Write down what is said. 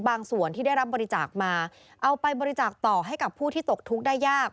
ส่วนที่ได้รับบริจาคมาเอาไปบริจาคต่อให้กับผู้ที่ตกทุกข์ได้ยาก